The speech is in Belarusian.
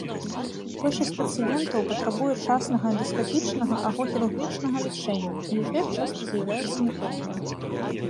Большасць пацыентаў патрабуе частага эндаскапічнага або хірургічнага лячэння, і эфект часта з'яўляецца няпоўным.